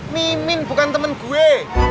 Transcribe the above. mimin bukan temen gue